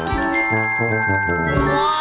นี่ไง